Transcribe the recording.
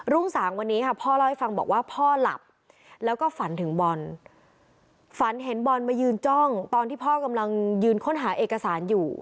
สามวันนี้ค่ะพ่อเล่าให้ฟังบอกว่าพ่อหลับแล้วก็ฝันถึงบอลฝันเห็นบอลมายืนจ้องตอนที่พ่อกำลังยืนค้นหาเอกสารอยู่